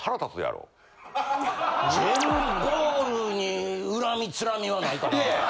ジェルボールに恨みつらみはないかな。